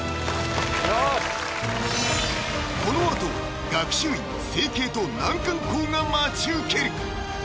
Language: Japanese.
このあと学習院・成蹊と難関校が待ち受ける！